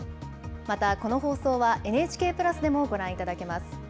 また、この放送は、ＮＨＫプラスでもご覧いただけます。